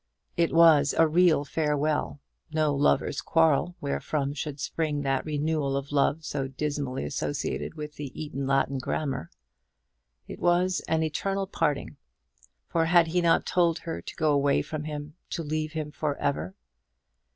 It was a real farewell; no lovers' quarrel, wherefrom should spring that re renewal of love so dismally associated with the Eton Latin Grammar. It was an eternal parting: for had he not told her to go away from him to leave him for ever?